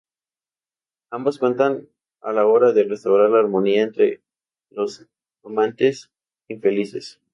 Ambos cuentan a la hora de restaurar la armonía entre los amantes infelices.